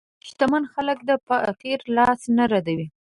شتمن خلک د فقیر لاس نه ردوي.